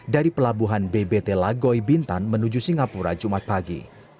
dari pelabuhan bbt lagoy bintan menuju singapura jumat pagi